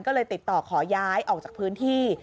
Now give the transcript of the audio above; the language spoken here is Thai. ก็เลยติดต่อขอย้ายออกจากพื้นที่